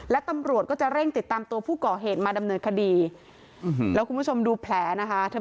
และตำรวจก็จะเร่งติดตามตัวผู้ก่อเหตุมาดำเนินคดีแล้วคุณผู้ชมดูแผลนะคะ